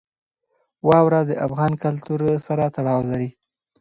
واوره د افغان کلتور سره تړاو لري.